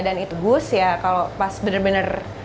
dan itu boost ya kalau pas benar benar